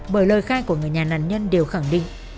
bởi lời khai của người nhà nạn nhân đều khẳng định